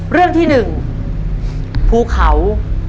เรื่องที่๑ภูเขา